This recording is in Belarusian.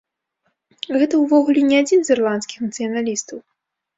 Гэта ўвогуле не адзін з ірландскіх нацыяналістаў.